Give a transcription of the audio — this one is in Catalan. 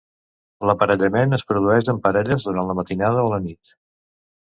L'aparellament es produeix en parelles durant la matinada o la nit.